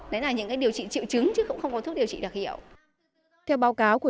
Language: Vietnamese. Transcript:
đấy là những điều trị triệu chứng chứ cũng không có thuốc điều trị đặc hiệu